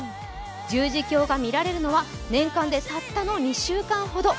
十字峡が見られるのは年間でたったの２週間ほど。